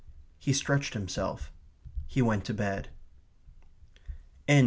He stretched himself. He went to bed.